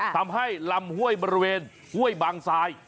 ทำให้ลำห้วยบริเวณห้วยบางทราย